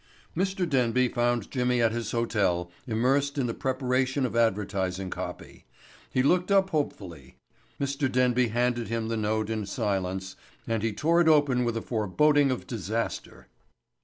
Mr. Denby found Jimmy at his hotel immersed in the preparation of advertising copy. He looked up hopefully; Mr. Denby handed him the note in silence and he tore it open with a foreboding of disaster.